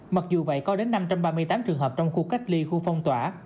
mặc dù vậy có đến năm trăm ba mươi tám trường hợp trong khu cách ly khu phong tỏa